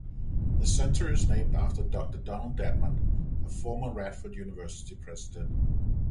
The Center is named after Doctor Donald Dedmon, a former Radford university president.